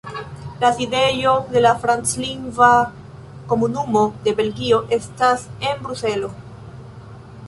La sidejo de la Franclingva Komunumo de Belgio estas en Bruselo.